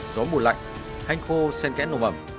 gió mùa lạnh hanh khô sen kẽ nồng mầm